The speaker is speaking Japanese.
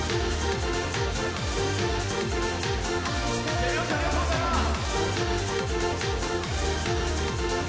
手拍子ありがとうございます！